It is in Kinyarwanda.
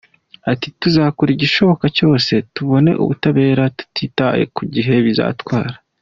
Ati “Tuzakora igishoboka cyose tubone ubutabera tutitaye ku gihe bizatwara.